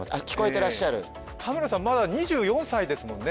てらっしゃる田村さんまだ２４歳ですもんね